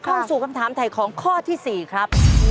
เข้าสู่คำถามถ่ายของข้อที่๔ครับ